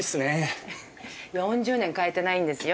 フフッ４０年変えてないんですよ。